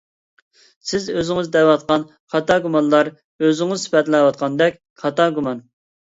سىز ئۆزىڭىز دەۋاتقان خاتا گۇمانلار ئۆزىڭىز سۈپەتلەۋاتقاندەك خاتا گۇمان.